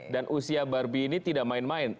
dan usia barbie ini tidak main main